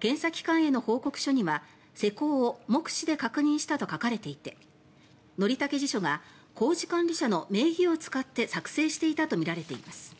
検査機関への報告書には施工を目視で確認したと書かれていて則武地所が工事監理者の名義を使って作成していたとみられています。